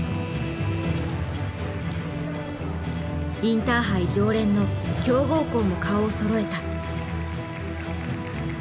インターハイ常連の強豪校も顔をそろえた。